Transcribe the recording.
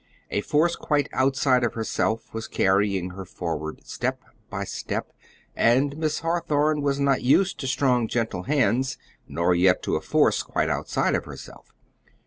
A force quite outside of herself was carrying her forward step by step and Miss Hawthorn was not used to strong, gentle hands, nor yet to a force quite outside of herself.